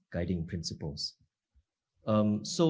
di singapura kebijakan kebijakan